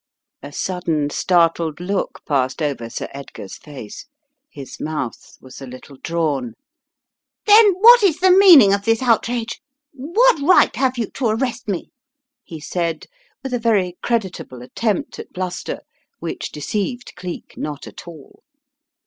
A sudden, startled look passed over Sir Edgar's face. His mouth was a little drawn. "Then what is the meaning of this outrage? What right have you to arrest me?" he said with a very creditable attempt at bluster which deceived Cleek not at all.